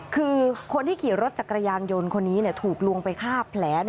คือคนที่ขี่รถจักรยานยนต์คนนี้ถูกลวงไปฆ่าแผล